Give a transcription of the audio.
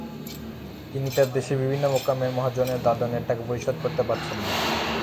তাঁরা দেশের বিভিন্ন মোকামের মহাজনের দাদনের টাকা পরিশোধ করতে পারছেন না।